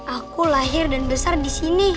aku lahir dan besar di sini